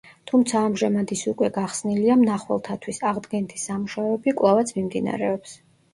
თუმცა ამჟამად ის უკვე გახსნილია მნახველთათვის, აღდგენითი სამუშაოები კვლავაც მიმდინარეობს.